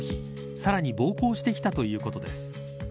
さらに暴行してきたということです。